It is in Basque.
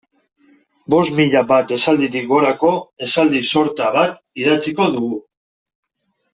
Bost mila bat esalditik gorako esaldi sorta bat idatziko dugu.